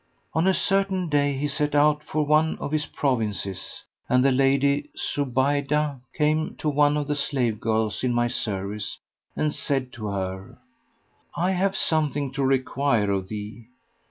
On a certain day he set out for one of his provinces, and the Lady Zubaydah came to one of the slave girls in my service and said to her, 'I have something to require of thee.'